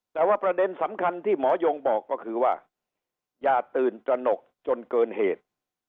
แต่ว่าประเด็นสำคัญที่หมอยงบอกก็คือว่าอย่าตื่นตระหนกจนเกินเหตุ